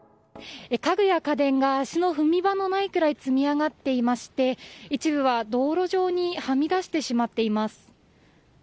家具や家電が足の踏み場がないくらい積み上がっていまして一部は道路上にはみ出してしまっています。